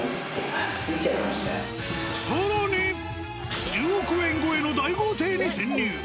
更に１０億円超えの大豪邸に潜入。